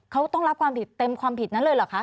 เขาต้องรับความผิดเต็มความผิดนั้นเลยเหรอคะ